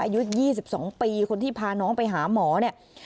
อายุยี่สิบสองปีคนที่พาน้องไปหาหมอเนี้ย